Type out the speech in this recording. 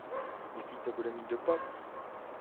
Jaký to bude mít dopad?